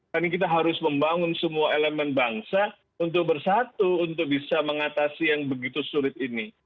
karena kita harus membangun semua elemen bangsa untuk bersatu untuk bisa mengatasi yang begitu sulit ini